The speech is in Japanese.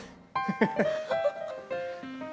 フフフッ。